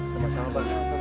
selamat malam pak imam